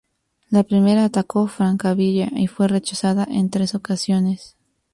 La primera atacó Francavilla y fue rechazada en tres ocasiones.